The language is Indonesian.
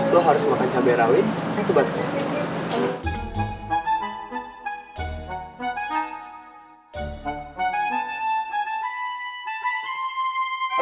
lo harus makan cabai rawit saya coba sekali